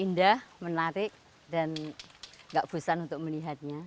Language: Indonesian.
indah menarik dan gak bosan untuk melihatnya